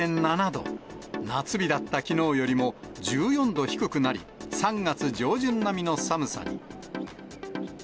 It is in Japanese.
夏日だったきのうよりも１４度低くなり、３月上旬並みの寒さに。